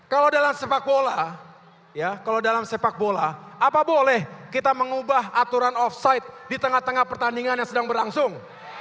kalau dalam sepak bola apa boleh kita mengubah aturan offside di tengah tengah pertandingan yang sedang berlangsung